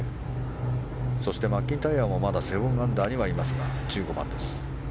そして、マッキンタイヤもまだ７アンダーにはいますが１５番です。